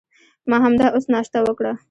ما همدا اوس ناشته وکړه.